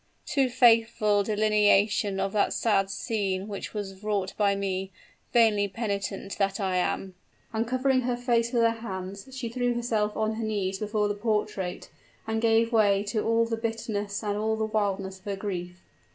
too faithful delineation of that sad scene which was wrought by me vainly penitent that I am!" And covering her face with her hands she threw herself on her knees before the portrait, and gave way to all the bitterness and all the wildness of her grief.